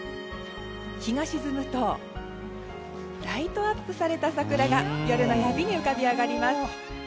日が沈むとライトアップされた桜が夜の闇に浮かび上がります。